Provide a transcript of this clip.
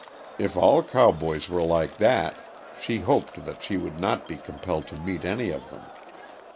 If all cowboys were like that, she hoped that she would not be compelled to meet any of them.